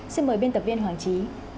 xin mời biên tập viên hoàng trí